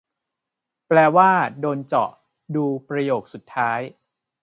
แปลว่า "โดนเจาะ" ดูประโยคสุดท้าย